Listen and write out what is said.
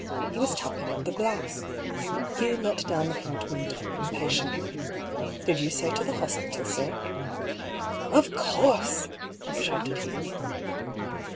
He was tapping at the glass. Hugh let down a front win dow, impatiently. " Did you say to the hospital, sir ?"" Of course !" shouted Hugh.